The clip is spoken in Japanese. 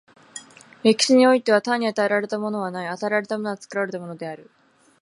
歴史においては、単に与えられたものはない、与えられたものは作られたものである。